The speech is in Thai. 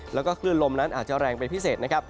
แล้วก็คลื่นลมนั้นอาจจะแรงเป็นพิเศษนะครับ